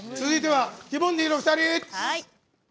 続いては、ティモンディの２人！